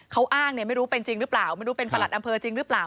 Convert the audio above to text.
เขาอ้างเนี่ยไม่รู้เป็นจริงหรือเปล่าไม่รู้เป็นประหลัดอำเภอจริงหรือเปล่า